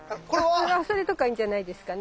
これは？それとかいいんじゃないですかね。